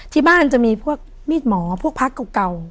ที่บ้านจะมีพวกมีดหมอพวกพักเก่า